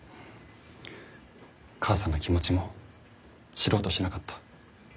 母さんの気持ちも知ろうとしなかった。